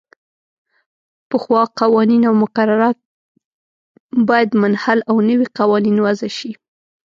پخوا قوانین او مقررات باید منحل او نوي قوانین وضعه شي.